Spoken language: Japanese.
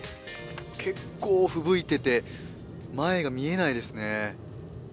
結構ふぶいてて前が見えないですね。